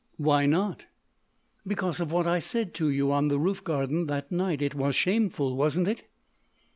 "Why not?" "Because of what I said to you on the roof garden that night. It was shameful, wasn't it?"